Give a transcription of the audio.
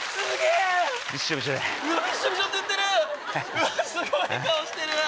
うわすごい顔してる！